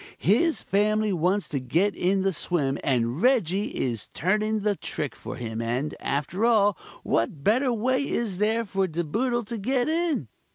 His family wants to get in the swim, and Reggie is turning the trick for them and after all, what better way is there for De Boodle to get in?